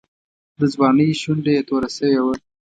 د ځوانۍ شونډه یې توره شوې وه.